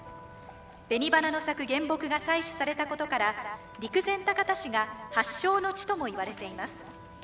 紅花の咲く原木が採取されたことから陸前高田市が発祥の地ともいわれています。